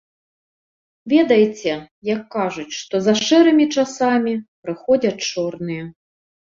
Ведаеце, як кажуць, што за шэрымі часамі прыходзяць чорныя.